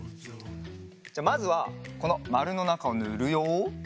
じゃあまずはこのまるのなかをぬるよ。